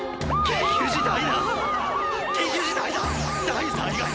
緊急事態！